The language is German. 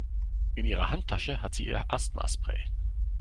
In ihrer Handtasche hat sie ihr Asthmaspray.